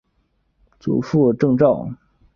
祖父郑肇。